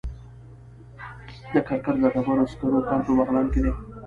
د کرکر د ډبرو سکرو کان په بغلان کې دی